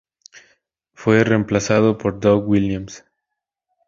Fue reemplazado por Doug Williams.